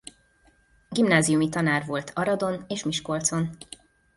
Gimnáziumi tanár volt Aradon és Miskolcon.